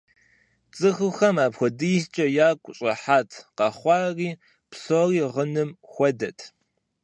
ЦӀыхухэм апхуэдизкӀэ ягу щӀыхьат къэхъуари, псори гъыным хуэдэт.